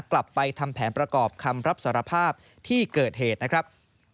กลับไปทำแผนประกอบคำรับสารภาพที่เกิดเหตุนะครับ